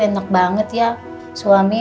enak banget ya suami